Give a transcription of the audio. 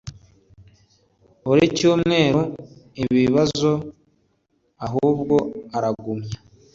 buri bukemure ikibazo ahubwo uragumya